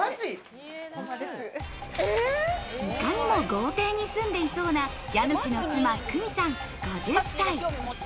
いかにも豪邸に住んでいそうな家主の妻・玖美さん５０歳。